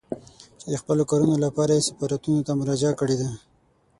چې د خپلو کارونو لپاره يې سفارتونو ته مراجعه کړې ده.